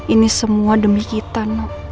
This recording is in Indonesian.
ini semua demi kita